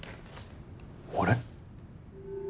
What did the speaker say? あれ？